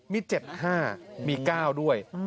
มี๗๕มี๙ด้วย